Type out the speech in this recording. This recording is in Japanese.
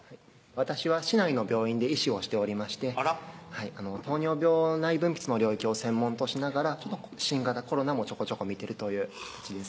私は市内の病院で医師をしておりまして糖尿病内分泌の領域を専門としながら新型コロナもちょこちょこ診てるという形です